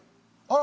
あ。